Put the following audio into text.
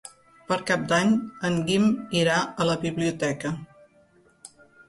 Per Cap d'Any en Guim irà a la biblioteca.